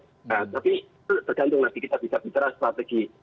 tapi itu tergantung nanti kita bisa bicara sepatu lagi